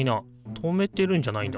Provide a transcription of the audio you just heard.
留めてるんじゃないんだ。